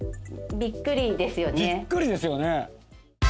びっくりですよね？